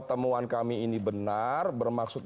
temuan kami ini benar bermaksud